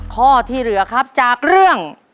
ข้อที่เหลือครับจากเรื่อง